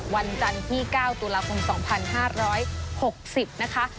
วันจันทร์ที่๙ตุลาคม๒๕๖๐นะคะ